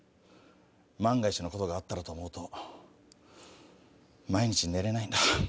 万が一のことがあったらと思うと毎日寝れないんだ。